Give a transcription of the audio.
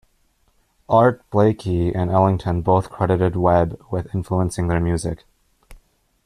Art Blakey and Ellington both credited Webb with influencing their music.